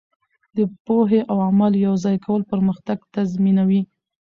د پوهې او عمل یوځای کول پرمختګ تضمینوي.